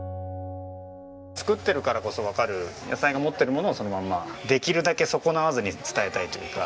作ってるからこそわかる野菜が持ってるものをそのままできるだけ損なわずに伝えたいというか。